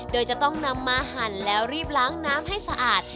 โดยจะต้องนำมาหั่นแล้วรีบล้างน้ำให้สะอาด